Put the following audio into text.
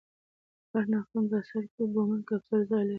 د هر نفرون په سر کې بومن کپسول ځای لري.